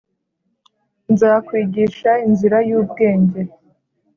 Nzakwigisha inzira y ubwenge